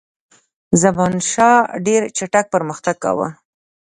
زمانشاه ډېر چټک پرمختګ کاوه.